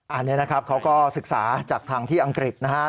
อันนี้นะครับเขาก็ศึกษาจากทางที่อังกฤษนะครับ